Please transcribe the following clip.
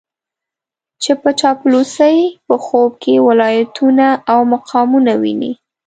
چې په چاپلوسۍ په خوب کې ولايتونه او مقامونه ويني.